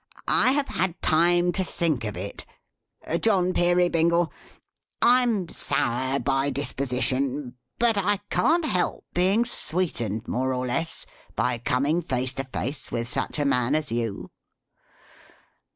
I have had time to think of it. John Peerybingle! I'm sour by disposition; but I can't help being sweetened, more or less, by coming face to face with such a man as you.